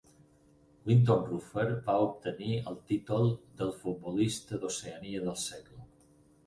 Wynton Rufer va obtenir el títol del Futbolista d'Oceania del Segle.